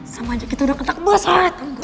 sama aja kita udah kentak bos